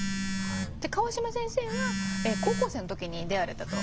川島先生は高校生の時に出会われたと。